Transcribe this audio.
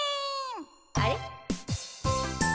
あれ？